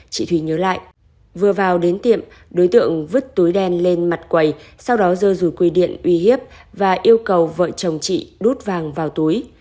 chị thùy nhớ lại vừa vào đến tiệm đối tượng vứt túi đen lên mặt quầy sau đó dơ rùi quy điện uy hiếp và yêu cầu vợ chồng chị đút vàng vào túi